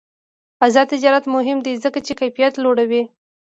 آزاد تجارت مهم دی ځکه چې کیفیت لوړوي.